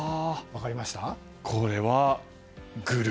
これはグル。